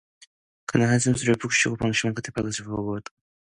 그는 한숨을 푹 쉬고 무심히 발끝을 굽어보았다.